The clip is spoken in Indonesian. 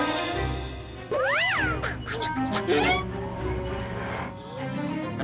nih kiki nggak mau